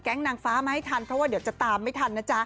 แกล้งนางฟ้ามาให้ทันเพราะว่าจะตามไม่ทันนะจ๊ะ